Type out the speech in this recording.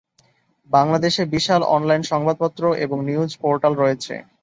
বাংলাদেশে বিশাল অনলাইন সংবাদপত্র এবং নিউজ পোর্টাল রয়েছে।